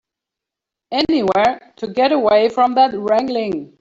Anywhere to get away from that wrangling.